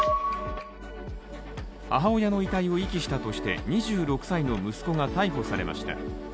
母親の遺体を遺棄したとして２６歳の息子が逮捕されました。